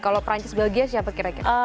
kalau perancis belgia siapa kira kira